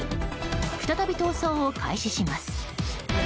再び逃走を開始します。